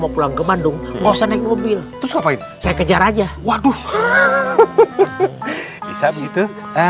mau pulang ke bandung tidak usah naikmesi mobil lu kejar saja waduh lotsa begitu